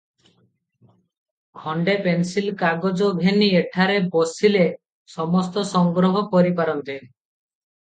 ଖଣ୍ତେ pencil କାଗଜ ଘେନି ଏହିଠାରେ ବସିଲେ ସମସ୍ତ ସଂଗ୍ରହ କରିପାରନ୍ତେ ।